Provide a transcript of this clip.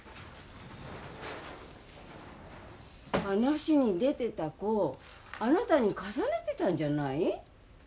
話に出てた子あなたに重ねてたんじゃない？